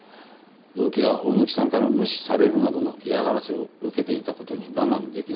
動機は大貫さんから無視されるなどの嫌がらせを受けていた事に我慢できなかったから。